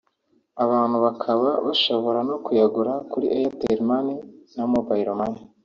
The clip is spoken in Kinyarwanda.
abantu bakaba bashobora no kuyagura kuri Airtel Money na Mobile Money